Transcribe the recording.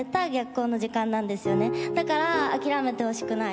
だから諦めてほしくない。